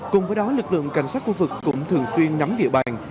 cùng với đó lực lượng cảnh sát khu vực cũng thường xuyên nắm địa bàn